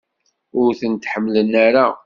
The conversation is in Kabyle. Ur tent-ḥemmlen ara?